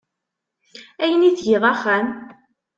Ayen i tgiḍ axxam?